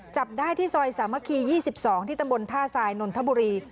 จับได้ที่ซอยสามัคคี๒๒ที่ตำบลท่าทรายนนทบุรี